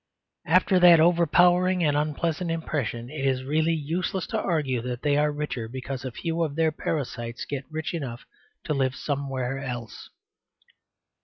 After that overpowering and unpleasant impression it is really useless to argue that they are richer because a few of their parasites get rich enough to live somewhere else.